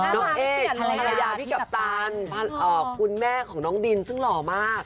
เอ๊ภรรยาพี่กัปตันคุณแม่ของน้องดินซึ่งหล่อมาก